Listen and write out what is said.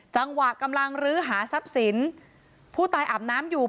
กำลังลื้อหาทรัพย์สินผู้ตายอาบน้ำอยู่